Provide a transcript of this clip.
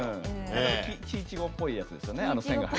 木苺っぽいやつですよね。